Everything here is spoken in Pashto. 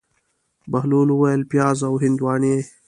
بهلول وویل: پیاز او هندواڼې.